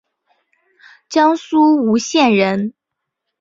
江苏吴县人。